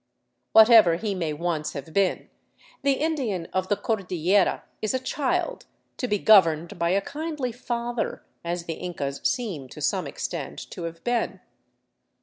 Whatever he may once have been, the Indian of the Cordillera is a 432 THE CITY OF THE SUN child, to be governed by a kindly father, as the Incas seem to some extent to have been.